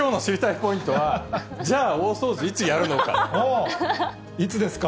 ポイントは、じゃあ、大掃除いつやるいつですか？